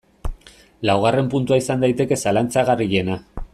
Laugarren puntua izan daiteke zalantzagarriena.